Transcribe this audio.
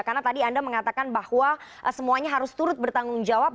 karena tadi anda mengatakan bahwa semuanya harus turut bertanggung jawab